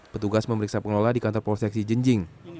petugas memeriksa pengelola di kantor polsek ini